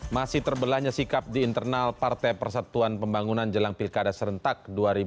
masih terbelahnya sikap di internal partai persatuan pembangunan jelang pilkada serentak dua ribu delapan belas